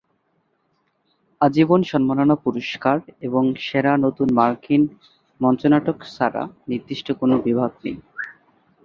আজীবন সম্মাননা পুরস্কার এবং সেরা নতুন মার্কিন মঞ্চনাটক ছাড়া নির্দিষ্ট কোন বিভাগ নেই।